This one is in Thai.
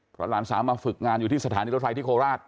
เพราะหลานสาวมาฝึกงานอยู่ที่สถานีรถไฟที่โคราช